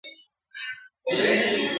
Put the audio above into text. هر ګړی نوی شهید وي هر ساعت د کونډو ساندي !.